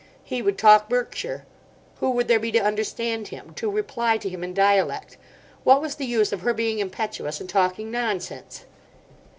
He would talk Berkshire. Who would there be to understand him—to reply to him in dialect? What was the use of her being impetuous and talking nonsense?